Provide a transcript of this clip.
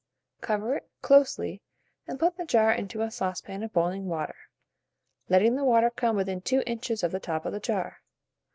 Cover it closely, and put the jar into a saucepan of boiling water, letting the water come within 2 inches of the top of the jar.